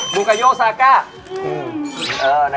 บูกาโยซัจะ